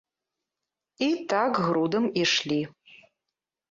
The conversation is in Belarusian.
І так грудам ішлі.